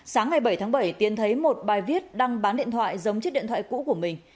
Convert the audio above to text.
sáng ngày bảy tháng bảy tiến thấy một bài viết đăng bán điện thoại giống chiếc điện thoại cũ của mình